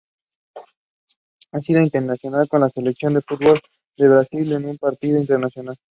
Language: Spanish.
Ha sido internacional con la Selección de fútbol de Brasil en un partido internacional.